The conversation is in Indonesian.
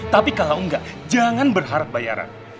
tapi kalau enggak jangan berharap bayaran